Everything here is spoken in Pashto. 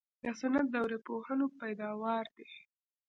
د سنت دورې پوهنو پیداوار دي.